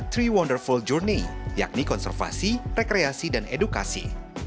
three wonderful journeys yakni konservasi rekreasi dan edukasi